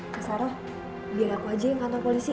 mas sarah biar aku aja yang kantor polisi